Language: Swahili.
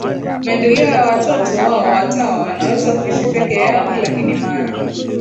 maendeleo ya watoto wao Watawa wanaweza kuishi peke yao lakini mara